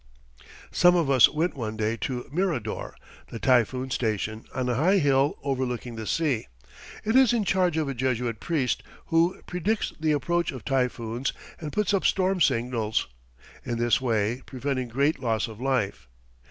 Some of us went one day to Mirador, the typhoon station, on a high hill overlooking the sea. It is in charge of a Jesuit priest, who predicts the approach of typhoons and puts up storm signals, in this way preventing great loss of life.